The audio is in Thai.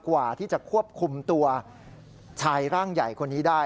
กว่าที่จะควบคุมตัวชายร่างใหญ่คนนี้ได้